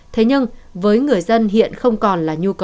thế nhưng với người dân hiện không còn là nhu cầu